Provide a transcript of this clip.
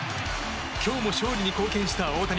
今日も勝利に貢献した大谷。